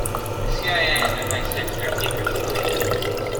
The CIA and MI-Six are secret spy agencies.